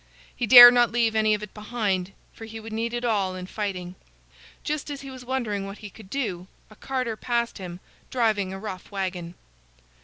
He dared not leave any of it behind, for he would need it all in fighting. Just as he was wondering what he could do, a carter passed him, driving a rough wagon.